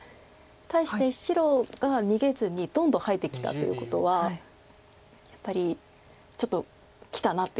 対して白が逃げずにどんどん入ってきたということはやっぱりちょっときたなという。